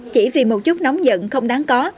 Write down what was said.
chỉ vì một chút nóng giận không đáng có